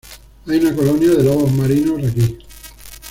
Hay una colonia de lobos marinos aquí.